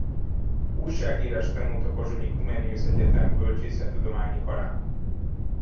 Újságírást tanult a pozsonyi Comenius Egyetem Bölcsészettudományi Karán.